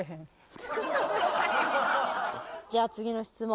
じゃあ次の質問。